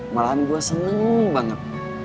malahan gue seneng banget